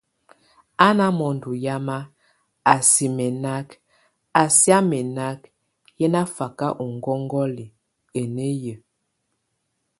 A na mondo yamak, a si mɛnak, a si á mɛnak, yé nafak ó ŋgɔŋgɔlɛk, a néye.